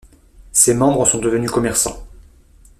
Ces membres sont devenus commerçants.